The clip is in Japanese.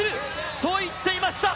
そう言っていました。